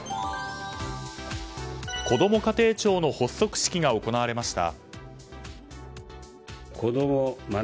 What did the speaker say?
こども家庭庁の発足式が行われました。